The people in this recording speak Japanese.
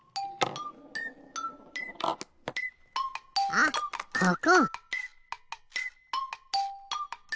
あっここ！